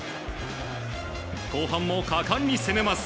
後半も果敢に攻めます。